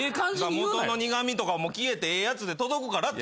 元の苦味とかも消えてええやつで届くからって。